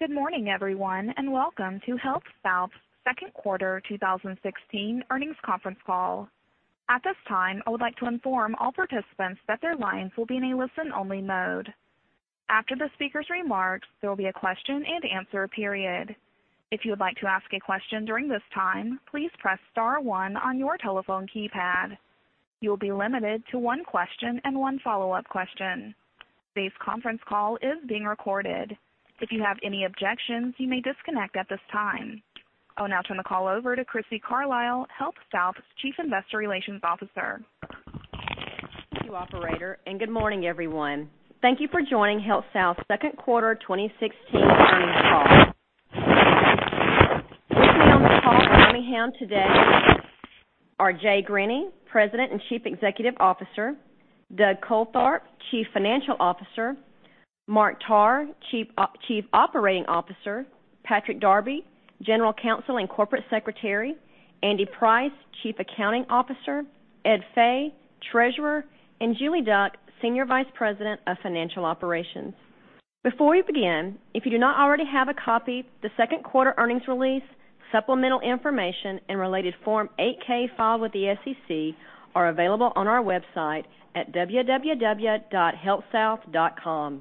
Good morning, everyone, and welcome to HealthSouth's second quarter 2016 earnings conference call. At this time, I would like to inform all participants that their lines will be in a listen-only mode. After the speaker's remarks, there will be a question-and-answer period. If you would like to ask a question during this time, please press star one on your telephone keypad. You will be limited to one question and one follow-up question. Today's conference call is being recorded. If you have any objections, you may disconnect at this time. I will now turn the call over to Crissy Carlisle, HealthSouth's Chief Investor Relations Officer. Thank you, operator. Good morning, everyone. Thank you for joining HealthSouth's second quarter 2016 earnings call. With me on the call from Birmingham today are Jay Grinney, President and Chief Executive Officer; Doug Coltharp, Chief Financial Officer; Mark Tarr, Chief Operating Officer; Patrick Darby, General Counsel and Corporate Secretary; Andy Price, Chief Accounting Officer; Ed Fay, Treasurer; and Julie Duck, Senior Vice President of Financial Operations. Before we begin, if you do not already have a copy, the second quarter earnings release, supplemental information, and related Form 8-K filed with the SEC are available on our website at www.healthsouth.com.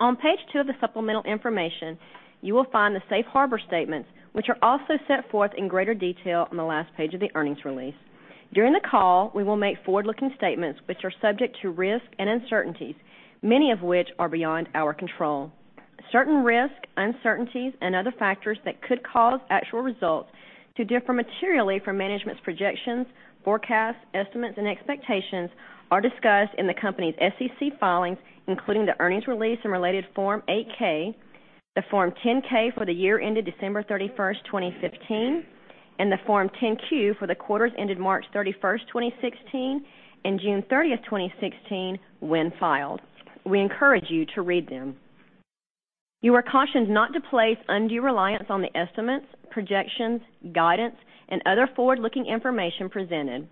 On page two of the supplemental information, you will find the safe harbor statement, which are also set forth in greater detail on the last page of the earnings release. During the call, we will make forward-looking statements which are subject to risks and uncertainties, many of which are beyond our control. Certain risks, uncertainties, and other factors that could cause actual results to differ materially from management's projections, forecasts, estimates, and expectations are discussed in the company's SEC filings, including the earnings release and related Form 8-K, the Form 10-K for the year ended December 31st, 2015, and the Form 10-Q for the quarters ended March 31st, 2016, and June 30th, 2016, when filed. We encourage you to read them. You are cautioned not to place undue reliance on the estimates, projections, guidance, and other forward-looking information presented.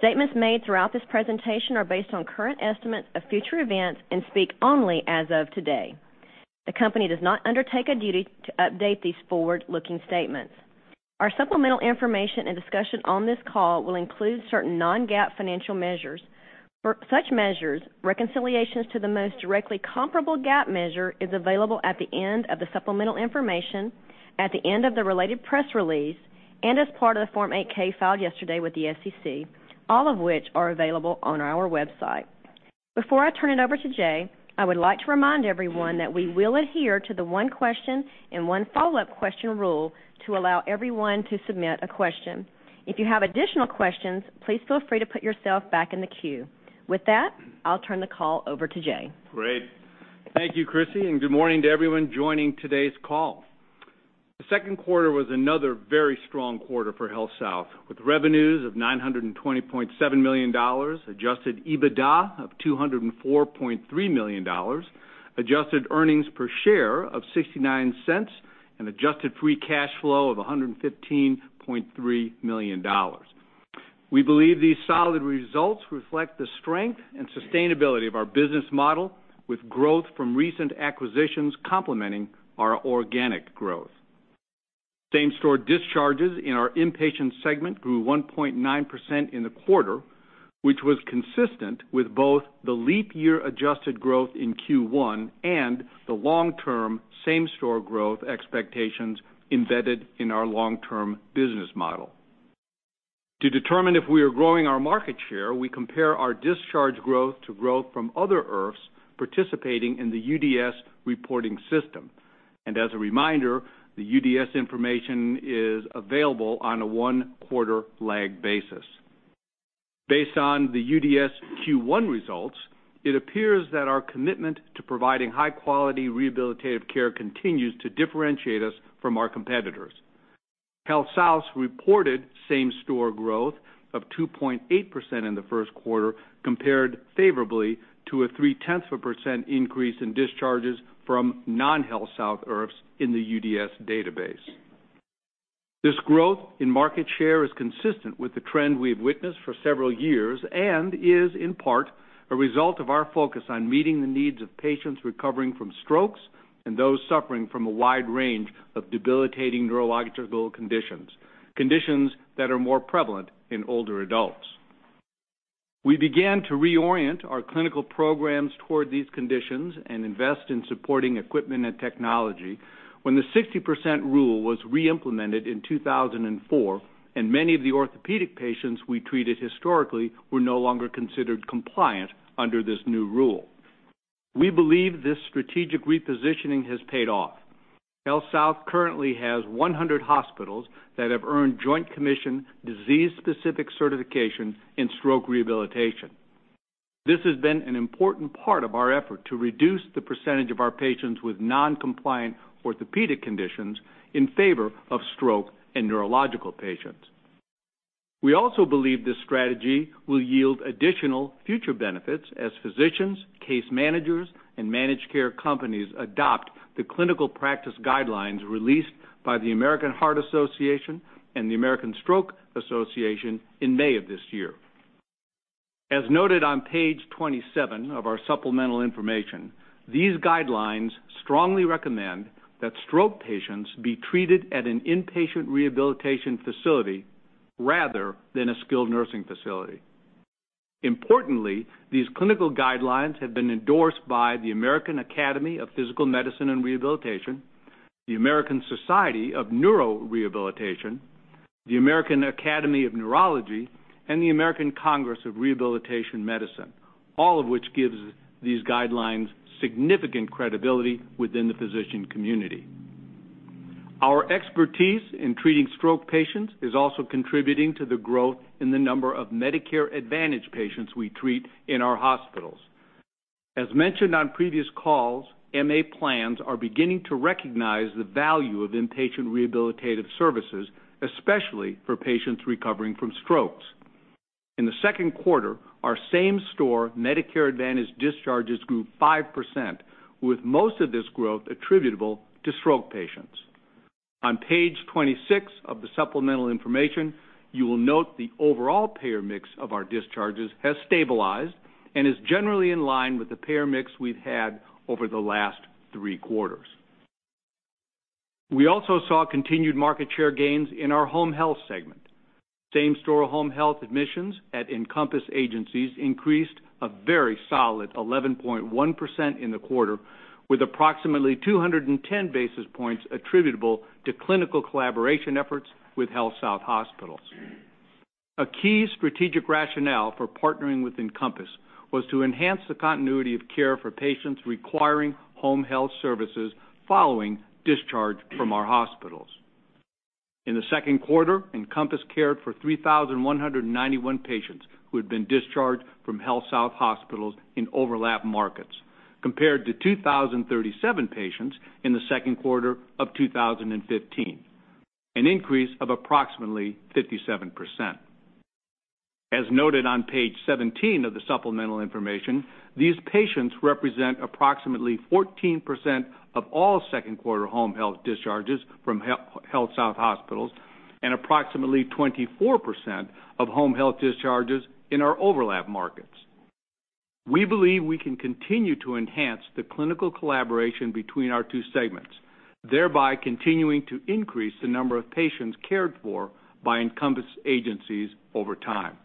Statements made throughout this presentation are based on current estimates of future events and speak only as of today. The company does not undertake a duty to update these forward-looking statements. Our supplemental information and discussion on this call will include certain non-GAAP financial measures. For such measures, reconciliations to the most directly comparable GAAP measure is available at the end of the supplemental information, at the end of the related press release, and as part of the Form 8-K filed yesterday with the SEC, all of which are available on our website. Before I turn it over to Jay, I would like to remind everyone that we will adhere to the one question and one follow-up question rule to allow everyone to submit a question. If you have additional questions, please feel free to put yourself back in the queue. With that, I'll turn the call over to Jay. Great. Thank you, Crissy, and good morning to everyone joining today's call. The second quarter was another very strong quarter for HealthSouth, with revenues of $920.7 million, adjusted EBITDA of $204.3 million, adjusted earnings per share of $0.69 and adjusted free cash flow of $115.3 million. We believe these solid results reflect the strength and sustainability of our business model, with growth from recent acquisitions complementing our organic growth. Same-store discharges in our inpatient segment grew 1.9% in the quarter, which was consistent with both the leap year-adjusted growth in Q1 and the long-term same-store growth expectations embedded in our long-term business model. To determine if we are growing our market share, we compare our discharge growth to growth from other IRFs participating in the UDS reporting system. As a reminder, the UDS information is available on a one-quarter lagged basis. Based on the UDS Q1 results, it appears that our commitment to providing high-quality rehabilitative care continues to differentiate us from our competitors. HealthSouth's reported same-store growth of 2.8% in the first quarter compared favorably to a three-tenths of a percent increase in discharges from non-HealthSouth IRFs in the UDS database. This growth in market share is consistent with the trend we've witnessed for several years and is, in part, a result of our focus on meeting the needs of patients recovering from strokes and those suffering from a wide range of debilitating neurological conditions that are more prevalent in older adults. We began to reorient our clinical programs toward these conditions and invest in supporting equipment and technology when the 60% Rule was re-implemented in 2004 and many of the orthopedic patients we treated historically were no longer considered compliant under this new rule. We believe this strategic repositioning has paid off. HealthSouth currently has 100 hospitals that have earned Joint Commission disease-specific certification in stroke rehabilitation. This has been an important part of our effort to reduce the percentage of our patients with non-compliant orthopedic conditions in favor of stroke and neurological patients. We also believe this strategy will yield additional future benefits as physicians, case managers, and managed care companies adopt the clinical practice guidelines released by the American Heart Association and the American Stroke Association in May of this year. As noted on page 27 of our supplemental information, these guidelines strongly recommend that stroke patients be treated at an inpatient rehabilitation facility rather than a skilled nursing facility. Importantly, these clinical guidelines have been endorsed by the American Academy of Physical Medicine and Rehabilitation, the American Society of Neurorehabilitation, the American Academy of Neurology, and the American Congress of Rehabilitation Medicine, all of which gives these guidelines significant credibility within the physician community. Our expertise in treating stroke patients is also contributing to the growth in the number of Medicare Advantage patients we treat in our hospitals. As mentioned on previous calls, MA plans are beginning to recognize the value of inpatient rehabilitative services, especially for patients recovering from strokes. In the second quarter, our same-store Medicare Advantage discharges grew 5%, with most of this growth attributable to stroke patients. On page 26 of the supplemental information, you will note the overall payer mix of our discharges has stabilized and is generally in line with the payer mix we've had over the last three quarters. We also saw continued market share gains in our home health segment. Same-store home health admissions at Encompass agencies increased a very solid 11.1% in the quarter, with approximately 210 basis points attributable to clinical collaboration efforts with HealthSouth hospitals. A key strategic rationale for partnering with Encompass was to enhance the continuity of care for patients requiring home health services following discharge from our hospitals. In the second quarter, Encompass cared for 3,191 patients who had been discharged from HealthSouth hospitals in overlap markets, compared to 2,037 patients in the second quarter of 2015, an increase of approximately 57%. As noted on page 17 of the supplemental information, these patients represent approximately 14% of all second quarter home health discharges from HealthSouth hospitals and approximately 24% of home health discharges in our overlap markets. We believe we can continue to enhance the clinical collaboration between our two segments, thereby continuing to increase the number of patients cared for by Encompass agencies over time.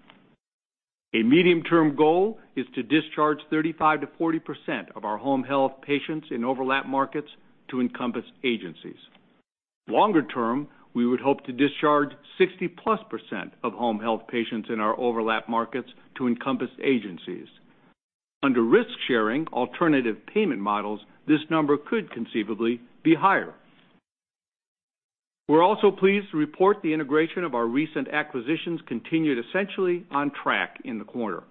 A medium-term goal is to discharge 35%-40% of our home health patients in overlap markets to Encompass agencies. Longer-term, we would hope to discharge 60-plus% of home health patients in our overlap markets to Encompass agencies. Under risk-sharing alternative payment models, this number could conceivably be higher. We are also pleased to report the integration of our recent acquisitions continued essentially on track in the quarter.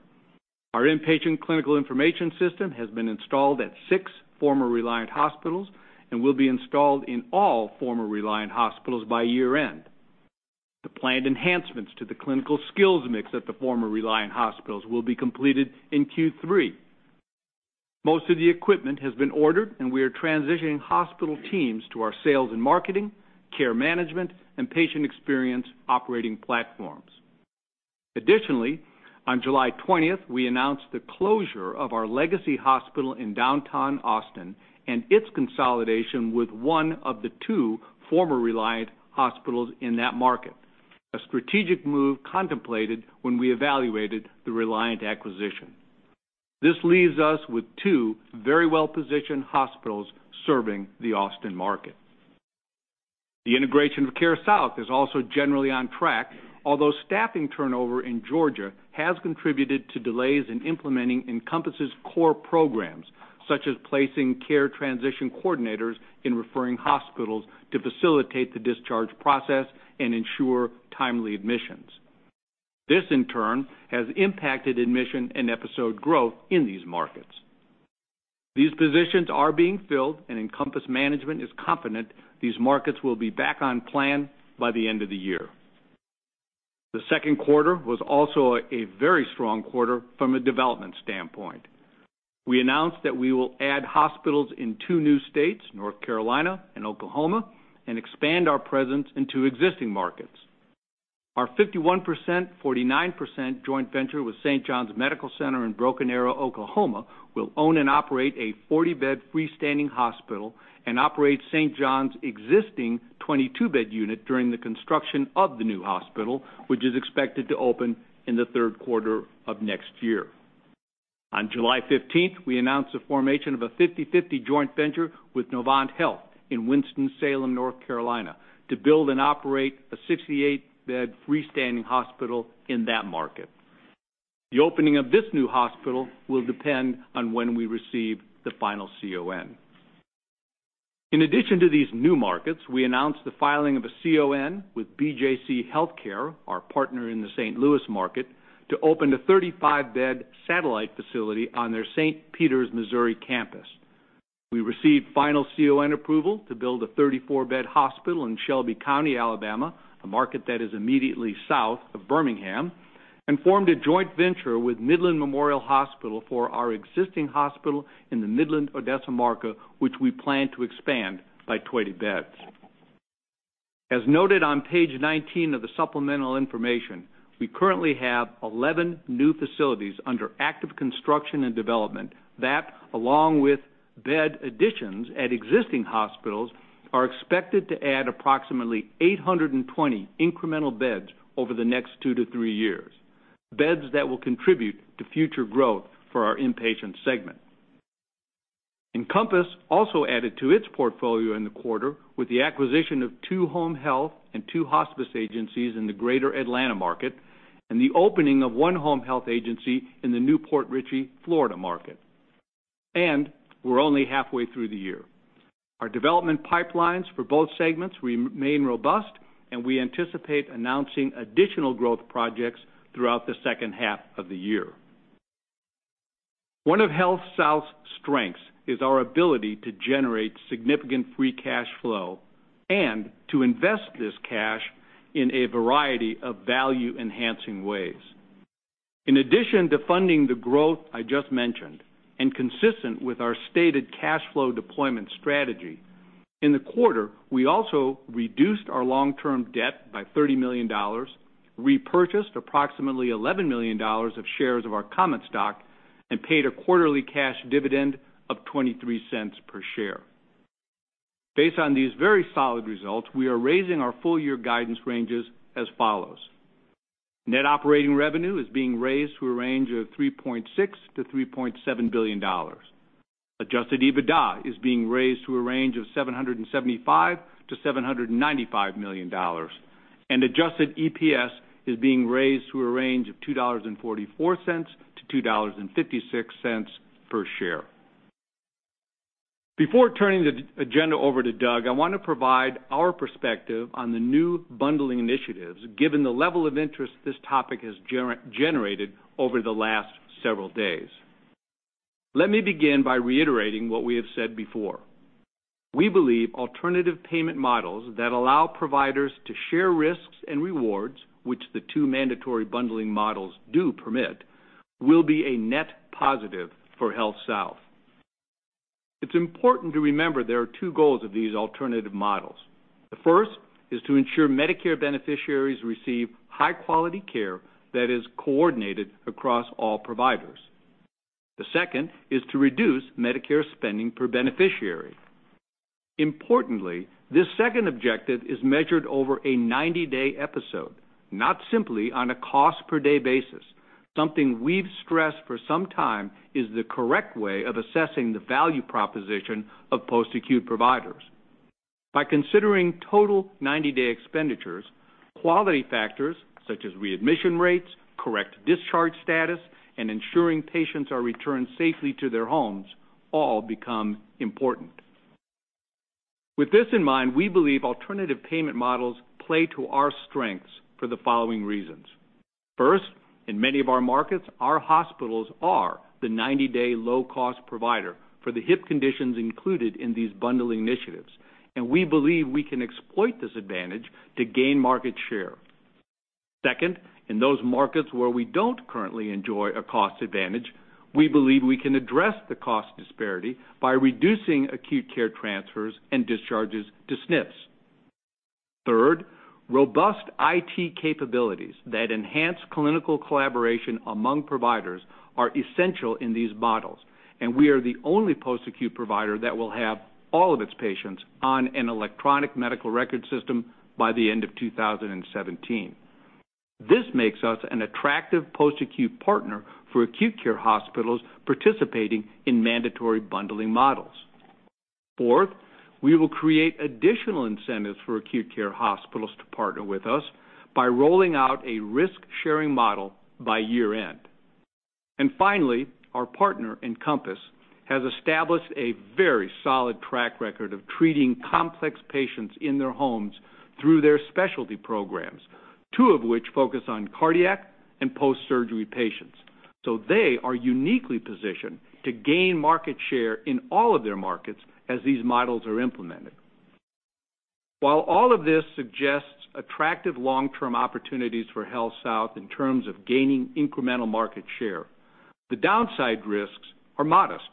Our inpatient clinical information system has been installed at six former Reliant hospitals and will be installed in all former Reliant hospitals by year-end. The planned enhancements to the clinical skills mix at the former Reliant hospitals will be completed in Q3. Most of the equipment has been ordered. We are transitioning hospital teams to our sales and marketing, care management, and patient experience operating platforms. Additionally, on July 20th, we announced the closure of our legacy hospital in downtown Austin and its consolidation with one of the two former Reliant hospitals in that market, a strategic move contemplated when we evaluated the Reliant acquisition. This leaves us with two very well-positioned hospitals serving the Austin market. The integration of CareSouth is also generally on track, although staffing turnover in Georgia has contributed to delays in implementing Encompass' core programs, such as placing care transition coordinators in referring hospitals to facilitate the discharge process and ensure timely admissions. This, in turn, has impacted admission and episode growth in these markets. These positions are being filled. Encompass management is confident these markets will be back on plan by the end of the year. The second quarter was also a very strong quarter from a development standpoint. We announced that we will add hospitals in two new states, North Carolina and Oklahoma, and expand our presence in two existing markets. Our 51/49 joint venture with St. John Medical Center in Broken Arrow, Oklahoma will own and operate a 40-bed freestanding hospital and operate St. John's existing 22-bed unit during the construction of the new hospital, which is expected to open in the third quarter of next year. On July 15th, we announced the formation of a 50/50 joint venture with Novant Health in Winston-Salem, North Carolina, to build and operate a 68-bed freestanding hospital in that market. The opening of this new hospital will depend on when we receive the final CON. In addition to these new markets, we announced the filing of a CON with BJC HealthCare, our partner in the St. Louis market, to open a 35-bed satellite facility on their St. Peters, Missouri campus. We received final CON approval to build a 34-bed hospital in Shelby County, Alabama, a market that is immediately south of Birmingham, and formed a joint venture with Midland Memorial Hospital for our existing hospital in the Midland-Odessa market, which we plan to expand by 20 beds. As noted on page 19 of the supplemental information, we currently have 11 new facilities under active construction and development. That, along with bed additions at existing hospitals, are expected to add approximately 820 incremental beds over the next two to three years, beds that will contribute to future growth for our inpatient segment. Encompass also added to its portfolio in the quarter with the acquisition of two home health and two hospice agencies in the Greater Atlanta market, and the opening of one home health agency in the New Port Richey, Florida market. We're only halfway through the year. Our development pipelines for both segments remain robust, and we anticipate announcing additional growth projects throughout the second half of the year. One of HealthSouth's strengths is our ability to generate significant free cash flow and to invest this cash in a variety of value-enhancing ways. In addition to funding the growth I just mentioned, consistent with our stated cash flow deployment strategy, in the quarter, we also reduced our long-term debt by $30 million, repurchased approximately $11 million of shares of our common stock, and paid a quarterly cash dividend of $0.23 per share. Based on these very solid results, we are raising our full-year guidance ranges as follows: Net operating revenue is being raised to a range of $3.6 billion-$3.7 billion. Adjusted EBITDA is being raised to a range of $775 million-$795 million. Adjusted EPS is being raised to a range of $2.44-$2.56 per share. Before turning the agenda over to Doug, I want to provide our perspective on the new bundling initiatives, given the level of interest this topic has generated over the last several days. Let me begin by reiterating what we have said before. We believe alternative payment models that allow providers to share risks and rewards, which the two mandatory bundling models do permit, will be a net positive for HealthSouth. It's important to remember there are two goals of these alternative models. The first is to ensure Medicare beneficiaries receive high-quality care that is coordinated across all providers. The second is to reduce Medicare spending per beneficiary. Importantly, this second objective is measured over a 90-day episode, not simply on a cost-per-day basis, something we've stressed for some time is the correct way of assessing the value proposition of post-acute providers. By considering total 90-day expenditures, quality factors such as readmission rates, correct discharge status, and ensuring patients are returned safely to their homes all become important. With this in mind, we believe alternative payment models play to our strengths for the following reasons. First, in many of our markets, our hospitals are the 90-day low-cost provider for the hip conditions included in these bundle initiatives, and we believe we can exploit this advantage to gain market share. Second, in those markets where we don't currently enjoy a cost advantage, we believe we can address the cost disparity by reducing acute care transfers and discharges to SNFs. Third, robust IT capabilities that enhance clinical collaboration among providers are essential in these models, and we are the only post-acute provider that will have all of its patients on an electronic medical record system by the end of 2017. This makes us an attractive post-acute partner for acute care hospitals participating in mandatory bundling models. Fourth, we will create additional incentives for acute care hospitals to partner with us by rolling out a risk-sharing model by year-end. Finally, our partner, Encompass, has established a very solid track record of treating complex patients in their homes through their specialty programs, two of which focus on cardiac and post-surgery patients. They are uniquely positioned to gain market share in all of their markets as these models are implemented. While all of this suggests attractive long-term opportunities for HealthSouth in terms of gaining incremental market share, the downside risks are modest.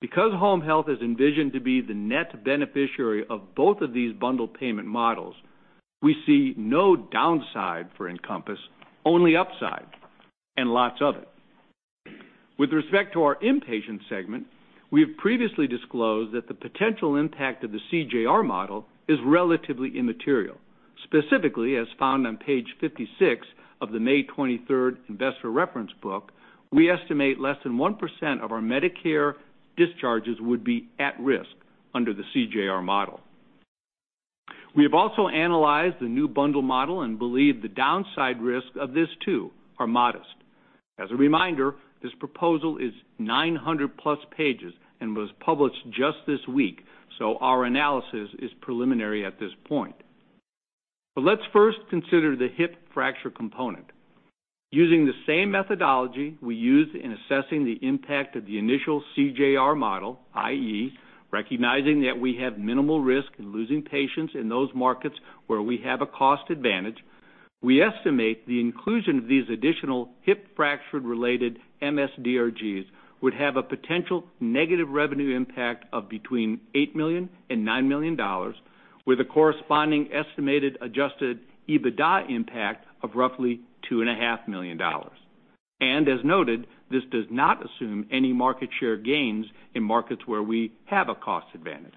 Because home health is envisioned to be the net beneficiary of both of these bundled payment models, we see no downside for Encompass, only upside, and lots of it. With respect to our inpatient segment, we have previously disclosed that the potential impact of the CJR model is relatively immaterial. Specifically, as found on page 56 of the May 23rd investor reference book, we estimate less than 1% of our Medicare discharges would be at risk under the CJR model. We have also analyzed the new bundle model and believe the downside risk of this too are modest. As a reminder, this proposal is 900-plus pages and was published just this week, our analysis is preliminary at this point. Let's first consider the hip fracture component. Using the same methodology we used in assessing the impact of the initial CJR model, i.e., recognizing that we have minimal risk in losing patients in those markets where we have a cost advantage. We estimate the inclusion of these additional hip fracture-related MS-DRGs would have a potential negative revenue impact of between $8 million and $9 million, with a corresponding estimated adjusted EBITDA impact of roughly $2.5 million. As noted, this does not assume any market share gains in markets where we have a cost advantage.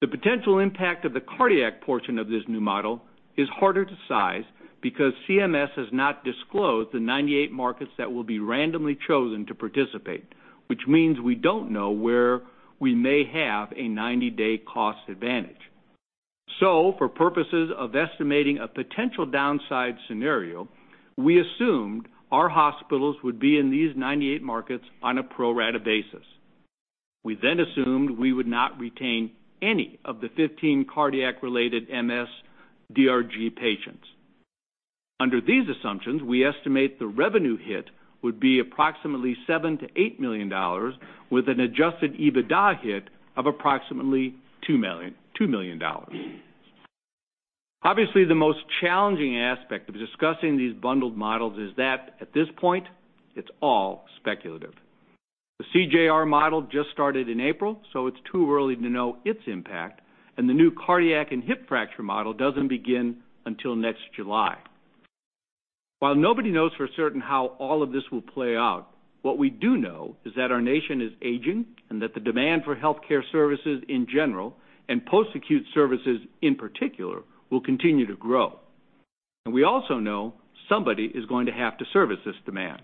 The potential impact of the cardiac portion of this new model is harder to size because CMS has not disclosed the 98 markets that will be randomly chosen to participate, which means we don't know where we may have a 90-day cost advantage. For purposes of estimating a potential downside scenario, we assumed our hospitals would be in these 98 markets on a pro rata basis. We assumed we would not retain any of the 15 cardiac-related MS-DRG patients. Under these assumptions, we estimate the revenue hit would be approximately $7 million to $8 million, with an adjusted EBITDA hit of approximately $2 million. Obviously, the most challenging aspect of discussing these bundled models is that at this point, it's all speculative. The CJR model just started in April, so it's too early to know its impact, and the new cardiac and hip fracture model doesn't begin until next July. While nobody knows for certain how all of this will play out, what we do know is that our nation is aging and that the demand for healthcare services in general, and post-acute services in particular, will continue to grow. We also know somebody is going to have to service this demand.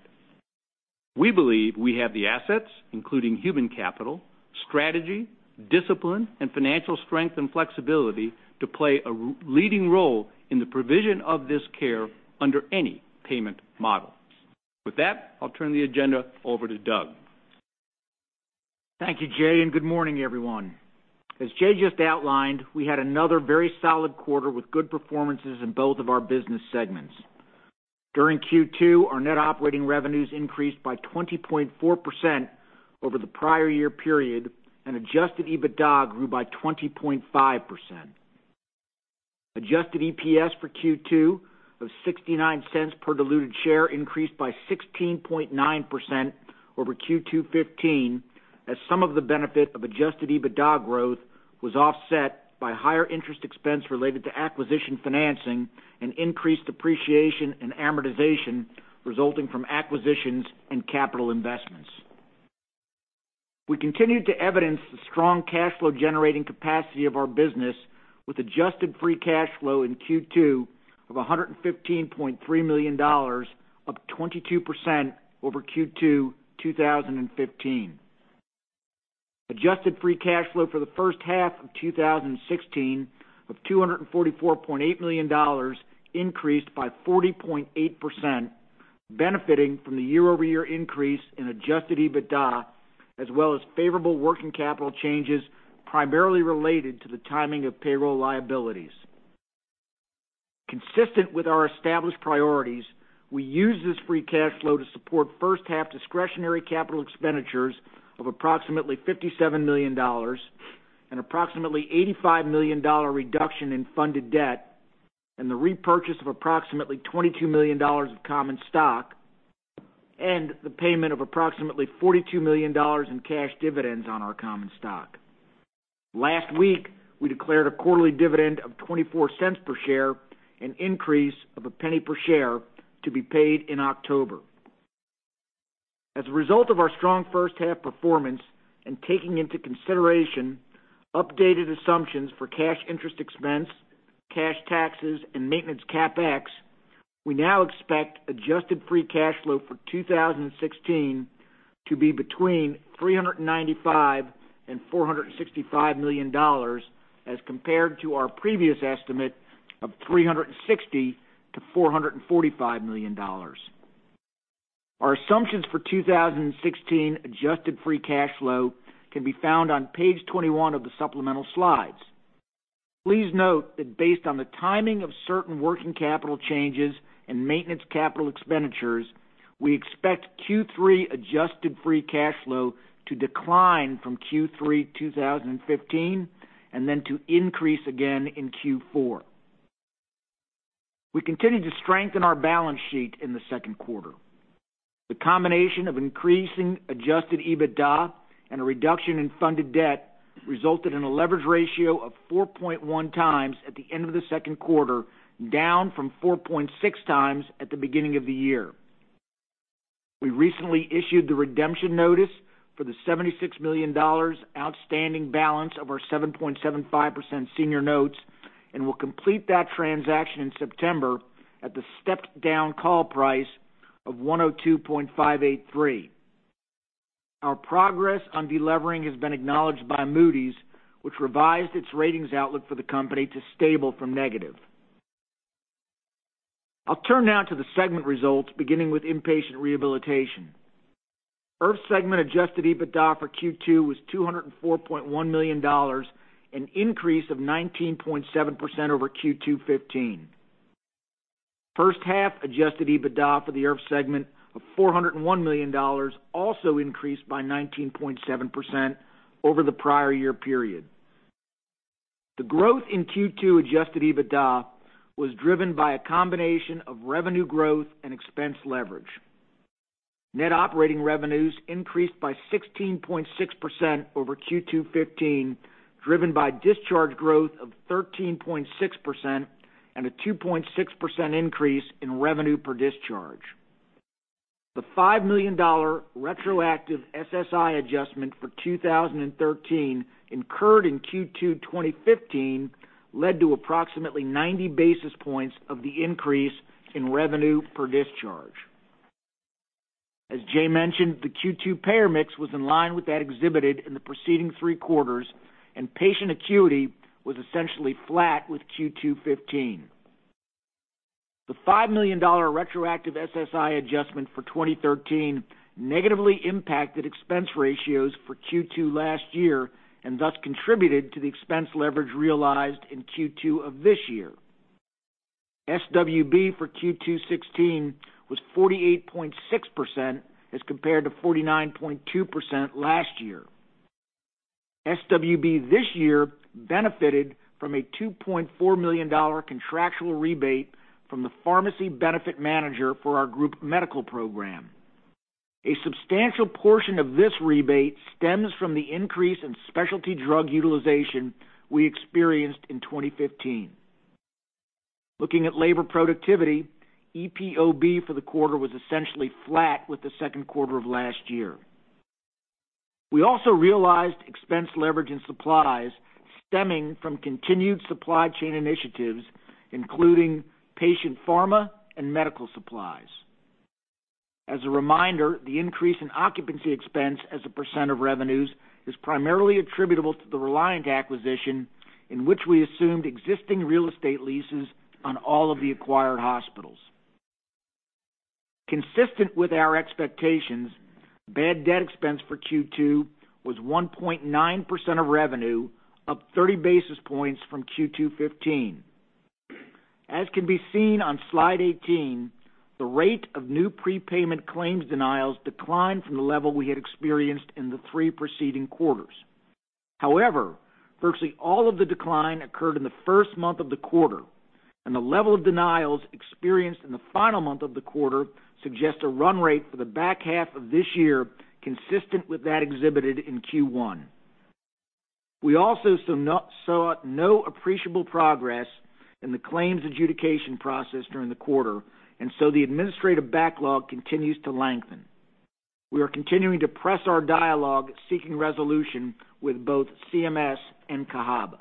We believe we have the assets, including human capital, strategy, discipline, and financial strength and flexibility to play a leading role in the provision of this care under any payment model. With that, I'll turn the agenda over to Doug. Thank you, Jay, and good morning, everyone. As Jay just outlined, we had another very solid quarter with good performances in both of our business segments. During Q2, our net operating revenues increased by 20.4% over the prior year period, and adjusted EBITDA grew by 20.5%. Adjusted EPS for Q2 of $0.69 per diluted share increased by 16.9% over Q2 2015, as some of the benefit of adjusted EBITDA growth was offset by higher interest expense related to acquisition financing and increased depreciation and amortization resulting from acquisitions and capital investments. We continued to evidence the strong cash flow generating capacity of our business with adjusted free cash flow in Q2 of $115.3 million, up 22% over Q2 2015. Adjusted free cash flow for the first half of 2016 of $244.8 million increased by 40.8%, benefiting from the year-over-year increase in adjusted EBITDA, as well as favorable working capital changes primarily related to the timing of payroll liabilities. Consistent with our established priorities, we used this free cash flow to support first half discretionary capital expenditures of approximately $57 million, an approximately $85 million reduction in funded debt, and the repurchase of approximately $22 million of common stock, and the payment of approximately $42 million in cash dividends on our common stock. Last week, we declared a quarterly dividend of $0.24 per share, an increase of $0.01 per share to be paid in October. As a result of our strong first half performance and taking into consideration updated assumptions for cash interest expense, cash taxes, and maintenance CapEx, we now expect adjusted free cash flow for 2016 to be between $395 million and $465 million, as compared to our previous estimate of $360 million-$445 million. Our assumptions for 2016 adjusted free cash flow can be found on page 21 of the supplemental slides. Please note that based on the timing of certain working capital changes and maintenance capital expenditures, we expect Q3 adjusted free cash flow to decline from Q3 2015, and then to increase again in Q4. We continued to strengthen our balance sheet in the second quarter. The combination of increasing adjusted EBITDA and a reduction in funded debt resulted in a leverage ratio of 4.1 times at the end of the second quarter, down from 4.6 times at the beginning of the year. We recently issued the redemption notice for the $76 million outstanding balance of our 7.75% senior notes and will complete that transaction in September at the stepped-down call price of 102.583. Our progress on de-levering has been acknowledged by Moody's, which revised its ratings outlook for the company to stable from negative. I'll turn now to the segment results, beginning with inpatient rehabilitation. IRF segment adjusted EBITDA for Q2 was $204.1 million, an increase of 19.7% over Q2 2015. First half adjusted EBITDA for the IRF segment of $401 million also increased by 19.7% over the prior year period. The growth in Q2 adjusted EBITDA was driven by a combination of revenue growth and expense leverage. Net operating revenues increased by 16.6% over Q2 2015, driven by discharge growth of 13.6% and a 2.6% increase in revenue per discharge. The $5 million retroactive SSI adjustment for 2013 incurred in Q2 2015 led to approximately 90 basis points of the increase in revenue per discharge. As Jay mentioned, the Q2 payer mix was in line with that exhibited in the preceding three quarters, and patient acuity was essentially flat with Q2 2015. The $5 million retroactive SSI adjustment for 2013 negatively impacted expense ratios for Q2 last year and thus contributed to the expense leverage realized in Q2 of this year. SWB for Q2 2016 was 48.6% as compared to 49.2% last year. SWB this year benefited from a $2.4 million contractual rebate from the pharmacy benefit manager for our group medical program. A substantial portion of this rebate stems from the increase in specialty drug utilization we experienced in 2015. Looking at labor productivity, EPOB for the quarter was essentially flat with the second quarter of last year. We also realized expense leverage in supplies stemming from continued supply chain initiatives, including patient pharma and medical supplies. As a reminder, the increase in occupancy expense as a percent of revenues is primarily attributable to the Reliant acquisition, in which we assumed existing real estate leases on all of the acquired hospitals. Consistent with our expectations, bad debt expense for Q2 was 1.9% of revenue, up 30 basis points from Q2 2015. As can be seen on slide 18, the rate of new prepayment claims denials declined from the level we had experienced in the three preceding quarters. However, virtually all of the decline occurred in the first month of the quarter, and the level of denials experienced in the final month of the quarter suggests a run rate for the back half of this year consistent with that exhibited in Q1. We also saw no appreciable progress in the claims adjudication process during the quarter, and so the administrative backlog continues to lengthen. We are continuing to press our dialogue, seeking resolution with both CMS and Cahaba.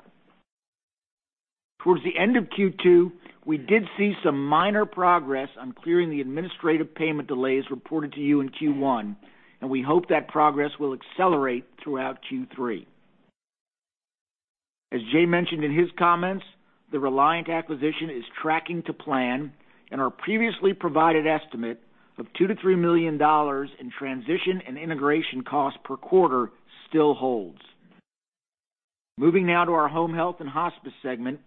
Towards the end of Q2, we did see some minor progress on clearing the administrative payment delays reported to you in Q1, and we hope that progress will accelerate throughout Q3. As Jay mentioned in his comments, the Reliant acquisition is tracking to plan, our previously provided estimate of $2 million-$3 million in transition and integration costs per quarter still holds. Moving now to our home health and hospice segment.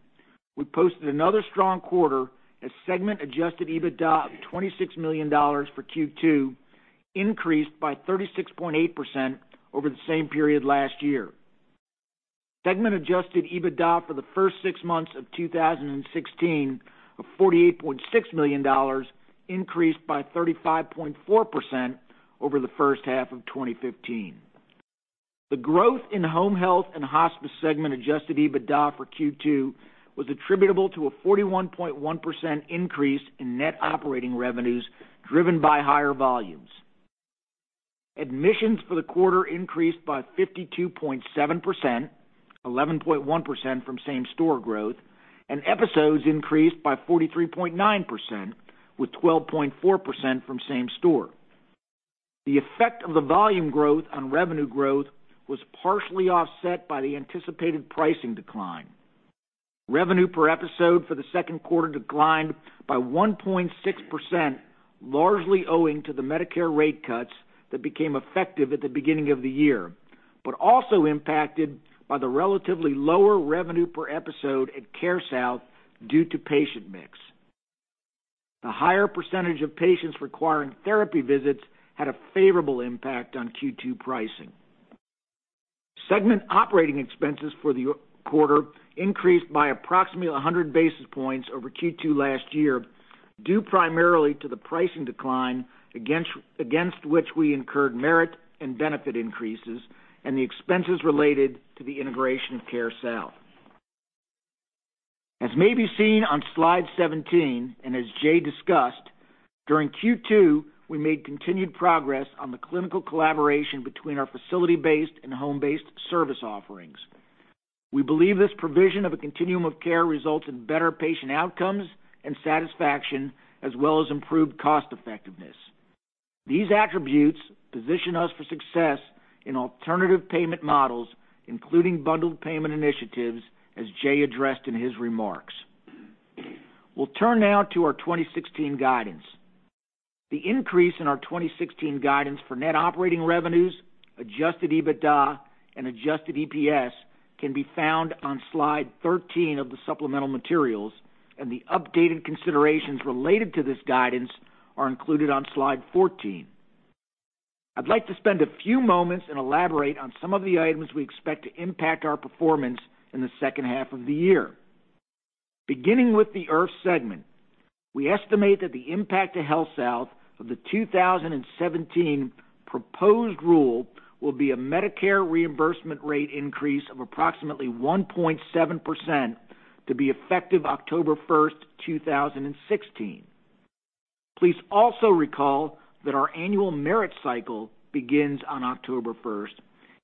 We posted another strong quarter as segment adjusted EBITDA of $26 million for Q2 increased by 36.8% over the same period last year. Segment adjusted EBITDA for the first six months of 2016 of $48.6 million increased by 35.4% over the first half of 2015. The growth in home health and hospice segment adjusted EBITDA for Q2 was attributable to a 41.1% increase in net operating revenues, driven by higher volumes. Admissions for the quarter increased by 52.7%, 11.1% from same store growth, and episodes increased by 43.9%, with 12.4% from same store. The effect of the volume growth on revenue growth was partially offset by the anticipated pricing decline. Revenue per episode for the second quarter declined by 1.6%, largely owing to the Medicare rate cuts that became effective at the beginning of the year, but also impacted by the relatively lower revenue per episode at CareSouth due to patient mix. The higher percentage of patients requiring therapy visits had a favorable impact on Q2 pricing. Segment operating expenses for the quarter increased by approximately 100 basis points over Q2 last year, due primarily to the pricing decline against which we incurred merit and benefit increases and the expenses related to the integration of CareSouth. As may be seen on Slide 17, as Jay discussed, during Q2, we made continued progress on the clinical collaboration between our facility-based and home-based service offerings. We believe this provision of a continuum of care results in better patient outcomes and satisfaction, as well as improved cost effectiveness. These attributes position us for success in alternative payment models, including bundled payment initiatives, as Jay addressed in his remarks. We'll turn now to our 2016 guidance. The increase in our 2016 guidance for net operating revenues, adjusted EBITDA, and adjusted EPS can be found on slide 13 of the supplemental materials, the updated considerations related to this guidance are included on slide 14. I'd like to spend a few moments and elaborate on some of the items we expect to impact our performance in the second half of the year. Beginning with the IRF segment, we estimate that the impact to HealthSouth of the 2017 proposed rule will be a Medicare reimbursement rate increase of approximately 1.7% to be effective October 1st, 2016. Please also recall that our annual merit cycle begins on October 1st,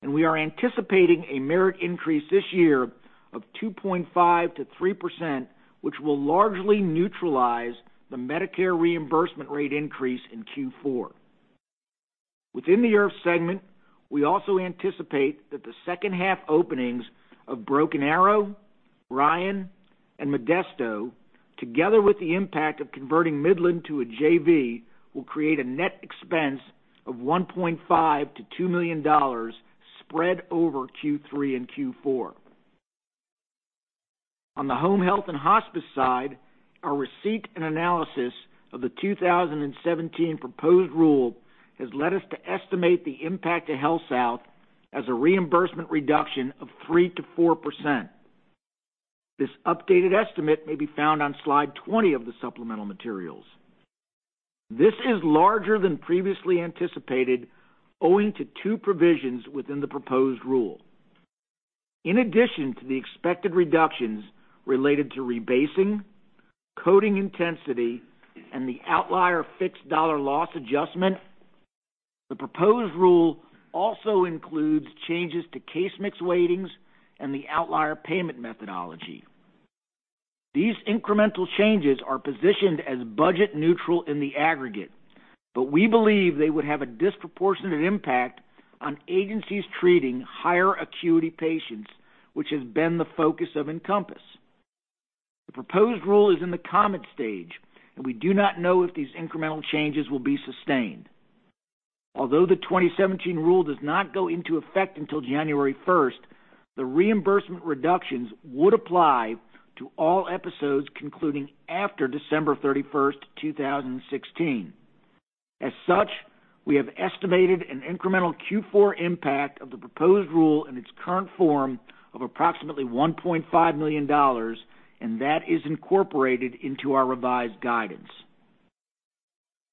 we are anticipating a merit increase this year of 2.5%-3%, which will largely neutralize the Medicare reimbursement rate increase in Q4. Within the IRF segment, we also anticipate that the second half openings of Broken Arrow, Ryan, and Modesto, together with the impact of converting Midland to a JV, will create a net expense of $1.5 million-$2 million spread over Q3 and Q4. On the home health and hospice side, our receipt and analysis of the 2017 proposed rule has led us to estimate the impact to HealthSouth as a reimbursement reduction of 3%-4%. This updated estimate may be found on slide 20 of the supplemental materials. This is larger than previously anticipated, owing to two provisions within the proposed rule. In addition to the expected reductions related to rebasing, coding intensity, and the outlier fixed dollar loss adjustment, the proposed rule also includes changes to case-mix weightings and the outlier payment methodology. These incremental changes are positioned as budget neutral in the aggregate, but we believe they would have a disproportionate impact on agencies treating higher acuity patients, which has been the focus of Encompass. The proposed rule is in the comment stage. We do not know if these incremental changes will be sustained. Although the 2017 rule does not go into effect until January 1st, the reimbursement reductions would apply to all episodes concluding after December 31st, 2016. As such, we have estimated an incremental Q4 impact of the proposed rule in its current form of approximately $1.5 million. That is incorporated into our revised guidance.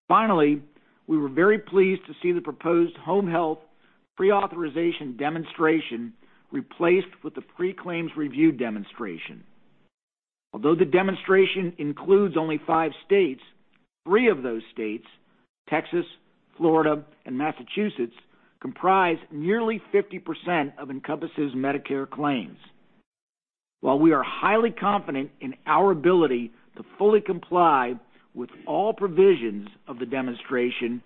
Finally, we were very pleased to see the proposed home health pre-authorization demonstration replaced with the Pre-Claim Review Demonstration. Although the demonstration includes only five states, three of those states, Texas, Florida, and Massachusetts, comprise nearly 50% of Encompass' Medicare claims. While we are highly confident in our ability to fully comply with all provisions of the demonstration,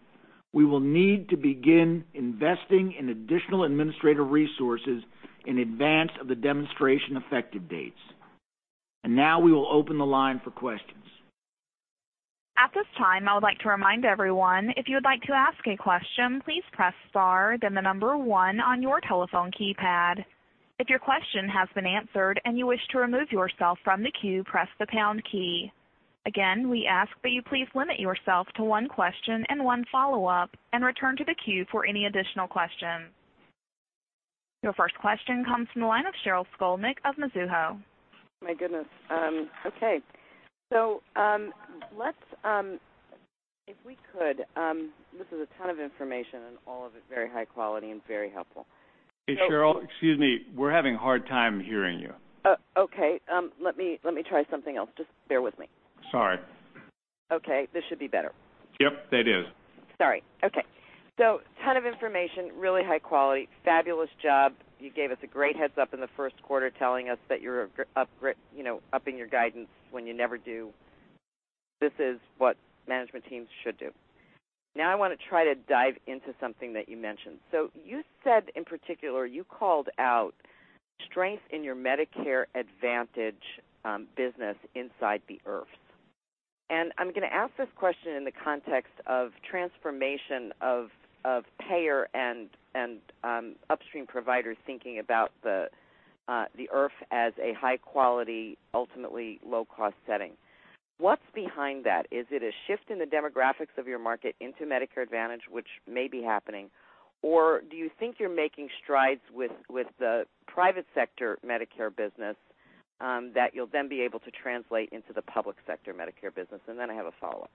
we will need to begin investing in additional administrative resources in advance of the demonstration effective dates. Now we will open the line for questions. At this time, I would like to remind everyone, if you would like to ask a question, please press star then the number one on your telephone keypad. If your question has been answered and you wish to remove yourself from the queue, press the pound key. Again, we ask that you please limit yourself to one question and one follow-up and return to the queue for any additional questions. Your first question comes from the line of Sheryl Skolnick of Mizuho. My goodness. Okay. This is a ton of information. All of it very high quality and very helpful. Hey, Sheryl. Excuse me. We're having a hard time hearing you. Oh, okay. Let me try something else. Just bear with me. Sorry. Okay. This should be better. Yep, that is. Sorry. Okay. Ton of information, really high quality, fabulous job. You gave us a great heads up in the first quarter telling us that you are upping your guidance when you never do. This is what management teams should do. I want to try to dive into something that you mentioned. You said in particular, you called out strength in your Medicare Advantage business inside the IRF. I am going to ask this question in the context of transformation of payer and upstream providers thinking about the IRF as a high quality, ultimately low cost setting. What is behind that? Is it a shift in the demographics of your market into Medicare Advantage, which may be happening? Do you think you are making strides with the private sector Medicare business that you will then be able to translate into the public sector Medicare business? I have a follow-up.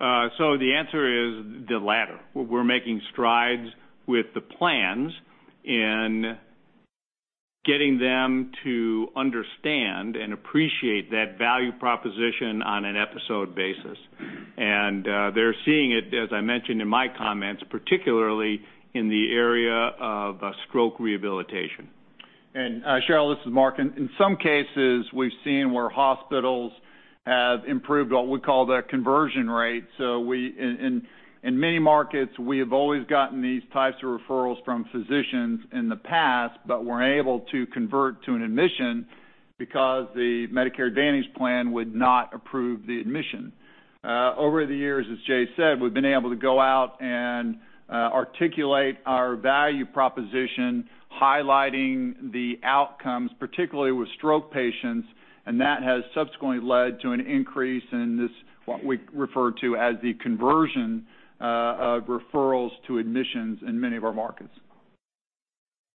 The answer is the latter. We are making strides with the plans in getting them to understand and appreciate that value proposition on an episode basis. They are seeing it, as I mentioned in my comments, particularly in the area of stroke rehabilitation. Sheryl, this is Mark. In some cases, we have seen where hospitals have improved what we call their conversion rate. In many markets, we have always gotten these types of referrals from physicians in the past, but were not able to convert to an admission Because the Medicare Advantage plan would not approve the admission. Over the years, as Jay said, we have been able to go out and articulate our value proposition, highlighting the outcomes, particularly with stroke patients, and that has subsequently led to an increase in this, what we refer to as the conversion of referrals to admissions in many of our markets.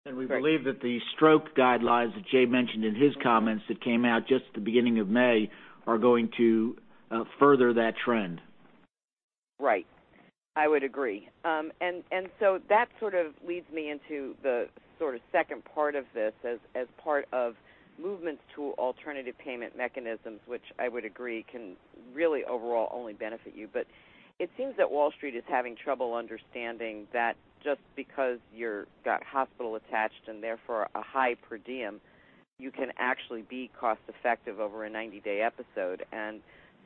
We believe that the stroke guidelines that Jay mentioned in his comments that came out just the beginning of May are going to further that trend. Right. I would agree. That sort of leads me into the sort of second part of this as part of movements to alternative payment mechanisms, which I would agree can really overall only benefit you. It seems that Wall Street is having trouble understanding that just because you're got hospital attached and therefore a high per diem, you can actually be cost-effective over a 90-day episode.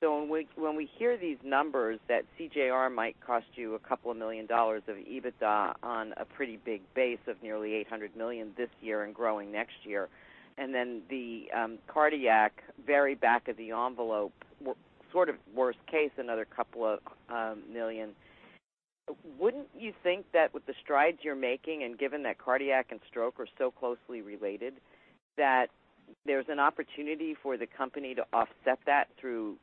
When we hear these numbers that CJR might cost you a couple of million dollars of EBITDA on a pretty big base of nearly $800 million this year and growing next year. Then the cardiac very back of the envelope, sort of worst case, another couple of million. Wouldn't you think that with the strides you're making and given that cardiac and stroke are so closely related, that there's an opportunity for the company to offset that through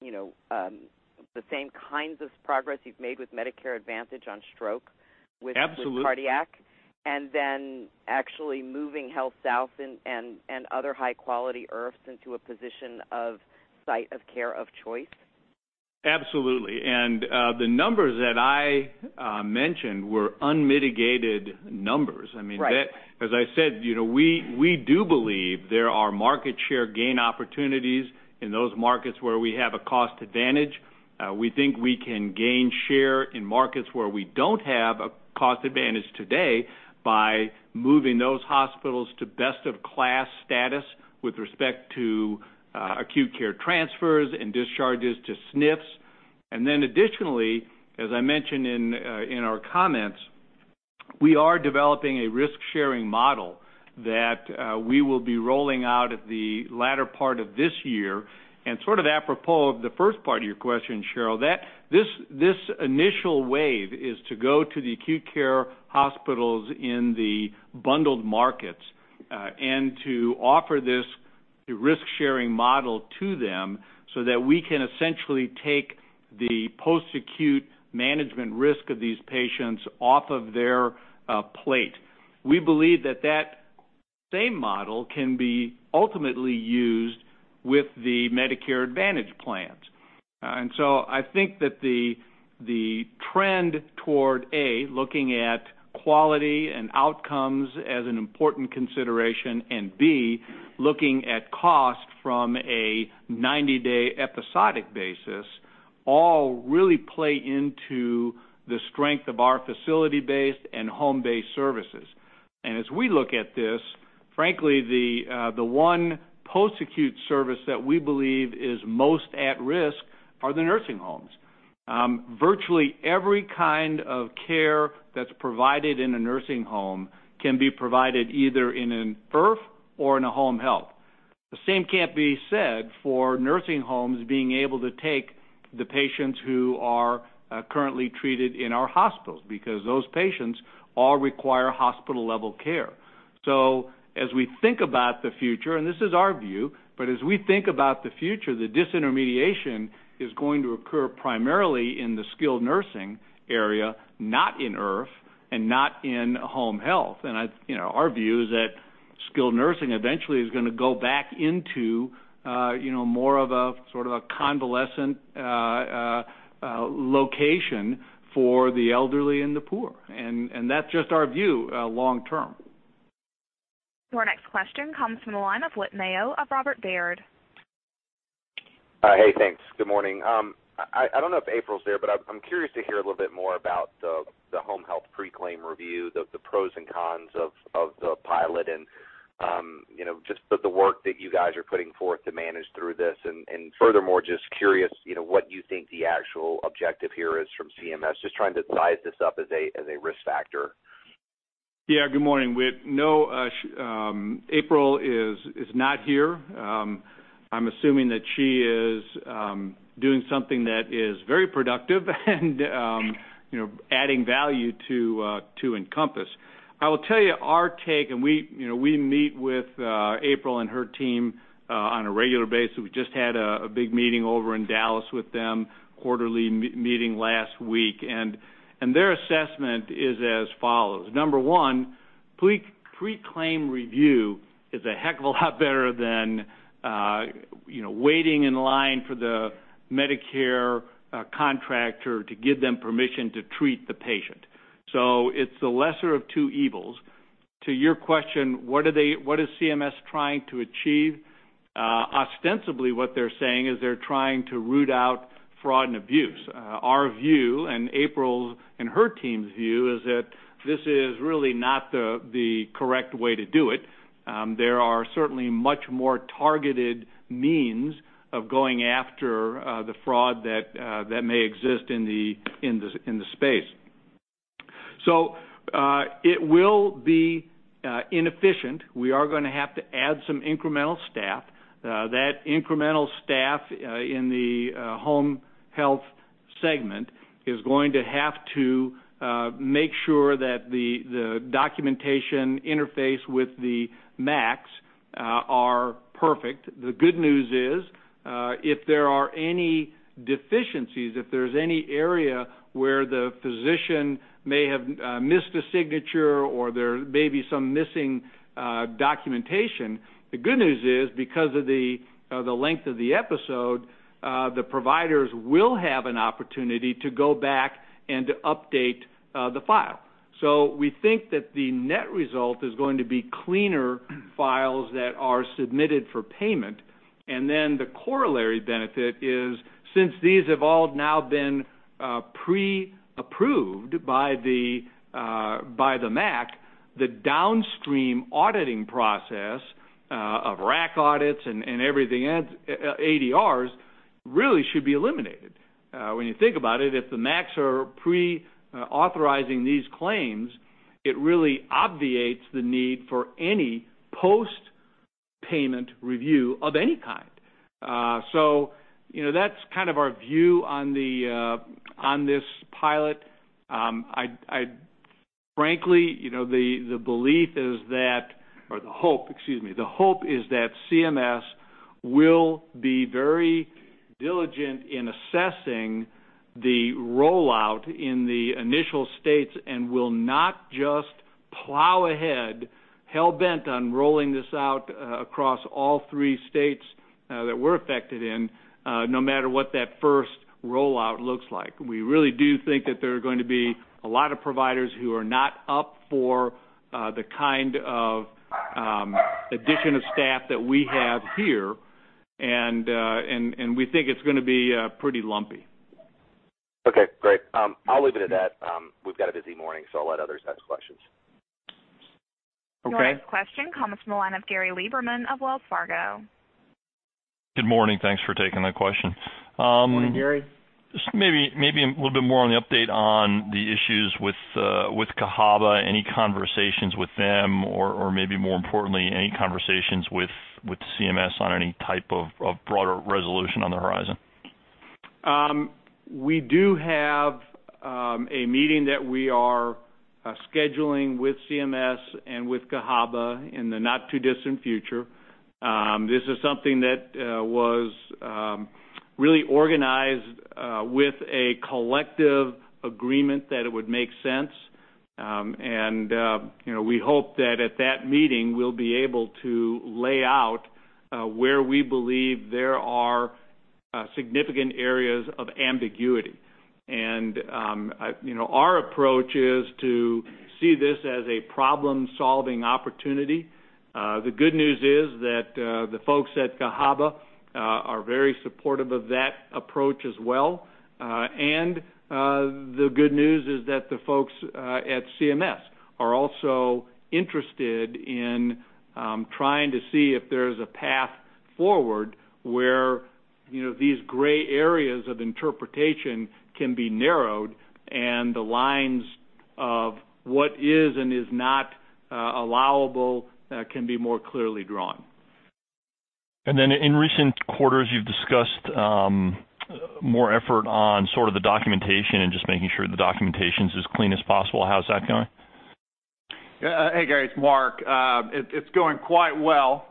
the same kinds of progress you've made with Medicare Advantage on stroke- Absolutely With cardiac, actually moving HealthSouth and other high-quality IRFs into a position of site of care of choice? Absolutely. The numbers that I mentioned were unmitigated numbers. Right. As I said, we do believe there are market share gain opportunities in those markets where we have a cost advantage. We think we can gain share in markets where we don't have a cost advantage today by moving those hospitals to best-of-class status with respect to acute care transfers and discharges to SNFs. Additionally, as I mentioned in our comments, we are developing a risk-sharing model that we will be rolling out at the latter part of this year. Sort of apropos of the first part of your question, Sheryl, this initial wave is to go to the acute care hospitals in the bundled markets, and to offer this risk-sharing model to them so that we can essentially take the post-acute management risk of these patients off of their plate. We believe that that same model can be ultimately used with the Medicare Advantage plans. I think that the trend toward, A, looking at quality and outcomes as an important consideration, and B, looking at cost from a 90-day episodic basis, all really play into the strength of our facility-based and home-based services. As we look at this, frankly, the one post-acute service that we believe is most at risk are the nursing homes. Virtually every kind of care that's provided in a nursing home can be provided either in an IRF or in a home health. The same can't be said for nursing homes being able to take the patients who are currently treated in our hospitals because those patients all require hospital-level care. As we think about the future, and this is our view, but as we think about the future, the disintermediation is going to occur primarily in the skilled nursing area, not in IRF and not in home health. Our view is that skilled nursing eventually is going to go back into more of a sort of a convalescent location for the elderly and the poor. That's just our view long term. Our next question comes from the line of Whit Mayo of Robert Baird. Hi. Hey, thanks. Good morning. I don't know if April's there, but I'm curious to hear a little bit more about the home health pre-claim review, the pros and cons of the pilot and just the work that you guys are putting forth to manage through this. Furthermore, just curious what you think the actual objective here is from CMS. Just trying to size this up as a risk factor. Yeah. Good morning, Whit. No, April is not here. I'm assuming that she is doing something that is very productive and adding value to Encompass. I will tell you our take, we meet with April and her team on a regular basis. We just had a big meeting over in Dallas with them, quarterly meeting last week. Their assessment is as follows. Number one, pre-claim review is a heck of a lot better than waiting in line for the Medicare contractor to give them permission to treat the patient. It's the lesser of two evils. To your question, what is CMS trying to achieve? Ostensibly, what they're saying is they're trying to root out fraud and abuse. Our view, and April and her team's view, is that this is really not the correct way to do it. There are certainly much more targeted means of going after the fraud that may exist in the space. It will be inefficient. We are going to have to add some incremental staff. That incremental staff in the home health segment is going to have to make sure that the documentation interface with the MACs are perfect. The good news is, if there are any deficiencies, if there's any area where the physician may have missed a signature or there may be some missing documentation, the good news is, because of the length of the episode, the providers will have an opportunity to go back and to update the file. We think that the net result is going to be cleaner files that are submitted for payment. The corollary benefit is, since these have all now been pre-approved by the MAC, the downstream auditing process of RAC audits and everything else, ADRs, really should be eliminated. When you think about it, if the MACs are pre-authorizing these claims, it really obviates the need for any post-payment review of any kind. That's kind of our view on this pilot. Frankly, the belief is that, or the hope, excuse me, the hope is that CMS will be very diligent in assessing the rollout in the initial states and will not just plow ahead, hell-bent on rolling this out across all three states that we're affected in, no matter what that first rollout looks like. We really do think that there are going to be a lot of providers who are not up for the kind of addition of staff that we have here, and we think it's going to be pretty lumpy. Okay, great. I'll leave it at that. We've got a busy morning. I'll let others ask questions. Okay. Your next question comes from the line of Gary Lieberman of Wells Fargo. Good morning. Thanks for taking that question. Morning, Gary. Maybe a little bit more on the update on the issues with Cahaba. Any conversations with them or maybe more importantly, any conversations with CMS on any type of broader resolution on the horizon? We do have a meeting that we are scheduling with CMS and with Cahaba in the not too distant future. This is something that was really organized with a collective agreement that it would make sense. We hope that at that meeting, we'll be able to lay out where we believe there are significant areas of ambiguity. Our approach is to see this as a problem-solving opportunity. The good news is that the folks at Cahaba are very supportive of that approach as well. The good news is that the folks at CMS are also interested in trying to see if there's a path forward where these gray areas of interpretation can be narrowed and the lines of what is and is not allowable can be more clearly drawn. In recent quarters, you've discussed more effort on sort of the documentation and just making sure the documentation's as clean as possible. How's that going? Hey, Gary, it's Mark. It's going quite well.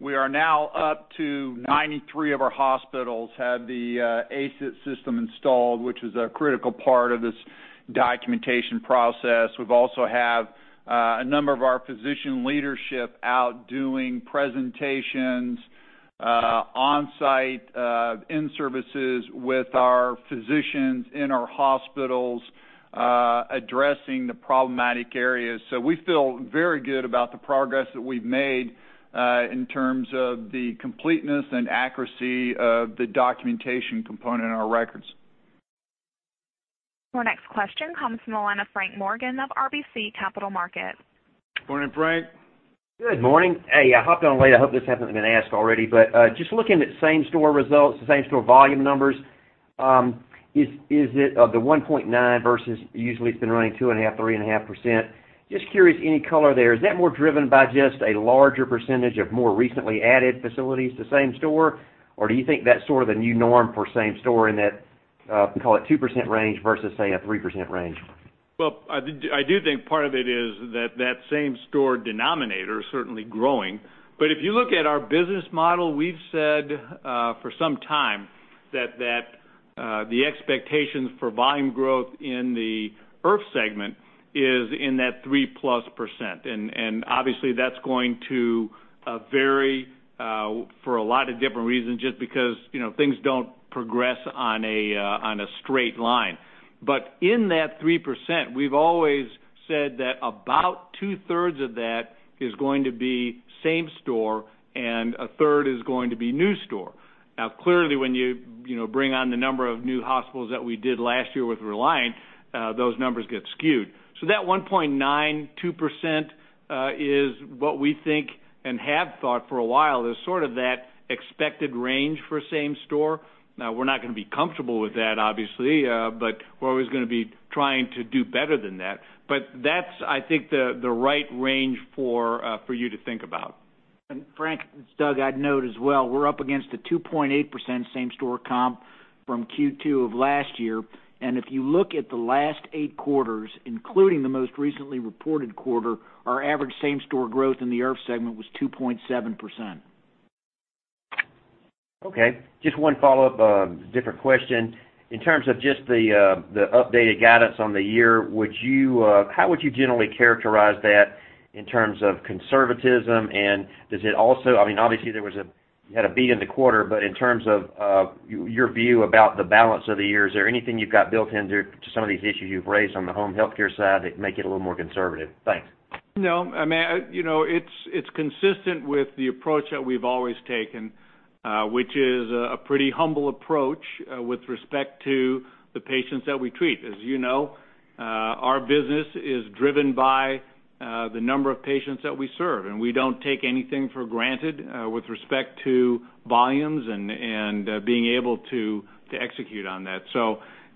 We are now up to 93 of our hospitals have the ACE IT system installed, which is a critical part of this documentation process. We've also have a number of our physician leadership out doing presentations on-site in-services with our physicians in our hospitals addressing the problematic areas. We feel very good about the progress that we've made in terms of the completeness and accuracy of the documentation component in our records. Your next question comes from the line of Frank Morgan of RBC Capital Markets. Morning, Frank. Good morning. I hopped on late. I hope this hasn't been asked already, but just looking at same-store results, same-store volume numbers, is it the 1.9 versus usually it's been running 2.5%-3.5%? Just curious, any color there. Is that more driven by just a larger percentage of more recently added facilities to same store? Or do you think that's sort of the new norm for same store in that, call it 2% range versus, say, a 3% range? I do think part of it is that same-store denominator is certainly growing. If you look at our business model, we've said for some time that the expectations for volume growth in the IRF segment is in that 3%+. Obviously, that's going to vary for a lot of different reasons just because things don't progress on a straight line. In that 3%, we've always said that about two-thirds of that is going to be same store and a third is going to be new store. Clearly, when you bring on the number of new hospitals that we did last year with Reliant, those numbers get skewed. That 1.92% is what we think and have thought for a while is sort of that expected range for same store. We're not going to be comfortable with that, obviously, but we're always going to be trying to do better than that. That's, I think, the right range for you to think about. Frank, it's Doug, I'd note as well, we're up against a 2.8% same-store comp from Q2 of last year. If you look at the last eight quarters, including the most recently reported quarter, our average same-store growth in the IRF segment was 2.7%. Okay. Just one follow-up, different question. In terms of just the updated guidance on the year, how would you generally characterize that in terms of conservatism and does it? Obviously, you had a beat in the quarter, but in terms of your view about the balance of the year, is there anything you've got built in to some of these issues you've raised on the home healthcare side that make it a little more conservative? Thanks. No. It's consistent with the approach that we've always taken, which is a pretty humble approach with respect to the patients that we treat. As you know our business is driven by the number of patients that we serve, and we don't take anything for granted with respect to volumes and being able to execute on that.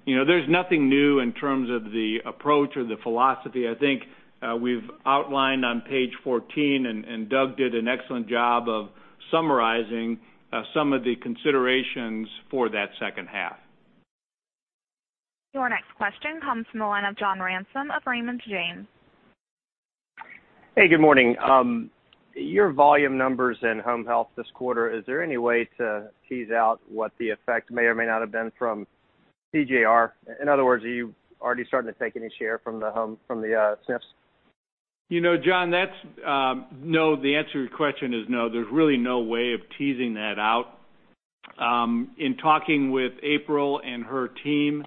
There's nothing new in terms of the approach or the philosophy. I think, we've outlined on page 14. Doug did an excellent job of summarizing some of the considerations for that second half. Your next question comes from the line of John Ransom of Raymond James. Hey, good morning. Your volume numbers in home health this quarter, is there any way to tease out what the effect may or may not have been from CJR? In other words, are you already starting to take any share from the SNFs? John, no. The answer to your question is no. There's really no way of teasing that out. In talking with April and her team,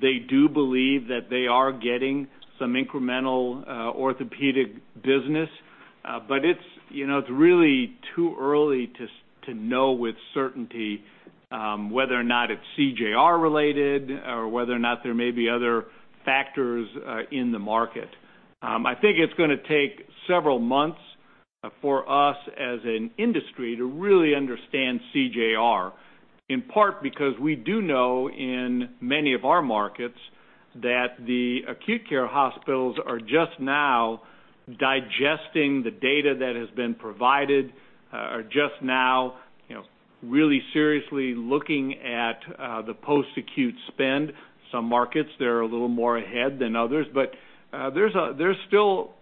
they do believe that they are getting some incremental orthopedic business. It's really too early to know with certainty whether or not it's CJR related or whether or not there may be other factors in the market. It's going to take several months for us as an industry to really understand CJR, in part because we do know in many of our markets that the acute care hospitals are just now digesting the data that has been provided, are just now really seriously looking at the post-acute spend. Some markets, they're a little more ahead than others. There's still